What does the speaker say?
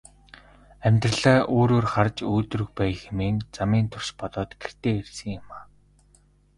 Амьдралаа өөрөөр харж өөдрөг байя хэмээн замын турш бодоод гэртээ ирсэн юм.